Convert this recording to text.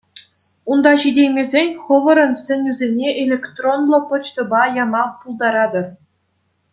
Унта ҫитеймесен хӑвӑрӑн сӗнӳсене электронлӑ почтӑпа яма пултаратӑр.